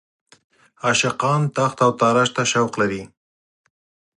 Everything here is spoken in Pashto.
عاشقان تاخت او تاراج ته شوق لري.